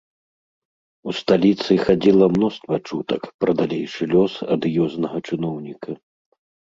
У сталіцы хадзіла мноства чутак пра далейшы лёс адыёзнага чыноўніка.